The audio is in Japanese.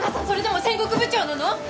それでも戦国部長なの？